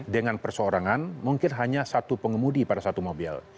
dengan perseorangan mungkin hanya satu pengemudi pada satu mobil